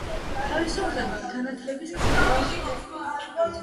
თავისუფლება განათლების კონტექსტში ნიშნავს ინტელექტუალურ დამოუკიდებლობას